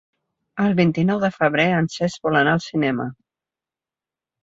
El vint-i-nou de febrer en Cesc vol anar al cinema.